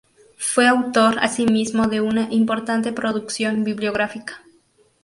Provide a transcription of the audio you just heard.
Fue autor asimismo de una importante producción bibliográfica.